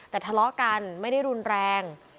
แต่ทะเลาะกันไม่ได้รุนแรง